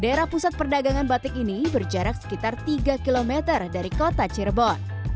daerah pusat perdagangan batik ini berjarak sekitar tiga km dari kota cirebon